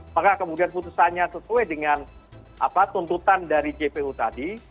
apakah kemudian putusannya sesuai dengan tuntutan dari cpu tadi